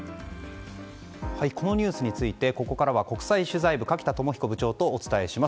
このニュースについてここからは国際取材部垣田友彦部長とお伝えします。